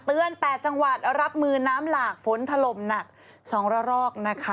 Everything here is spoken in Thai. เตือน๘จังหวัดรับมือน้ำหลากฝนทะลมหนัก๒รอกนะคะ